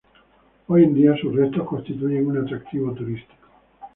Hoy en día sus restos constituyen un atractivo turístico.